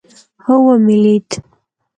هو ومې لېد.